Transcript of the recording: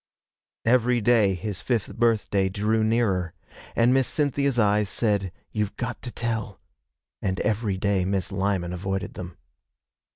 Every day his fifth birthday drew nearer, and Miss Cynthia's eyes said, You've got to tell; and everyday Miss Lyman avoided them.